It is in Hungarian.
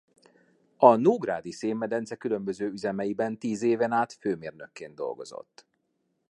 A nógrádi szénmedence különböző üzemeiben tíz éven át főmérnökként dolgozott.